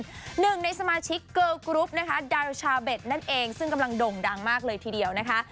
หนึ่งในสมาชิกเกอร์กรุ๊ปนะคะดาราชาเบ็ดนั่นเองซึ่งกำลังด่งดังมากเลยทีเดียวนะคะ